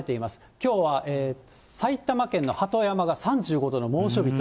きょうは埼玉県の鳩山が３５度の猛暑日と。